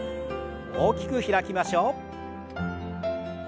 大きく開きましょう。